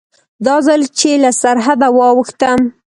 دا ځل چې له سرحده واوښتم.